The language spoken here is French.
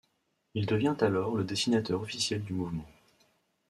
Il devient alors le dessinateur officiel du mouvement.